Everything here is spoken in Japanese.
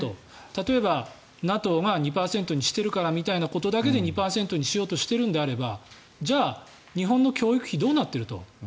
例えば、ＮＡＴＯが２％にしているからみたいなことだけで２％にしようとしているのであればじゃあ日本の教育費はどうなっていると。